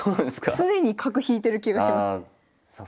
常に角引いてる気がします。